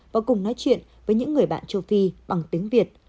và cùng nói chuyện với những người bạn châu phi bằng tiếng việt